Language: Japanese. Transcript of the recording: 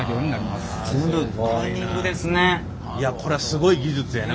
いやこれはすごい技術やね。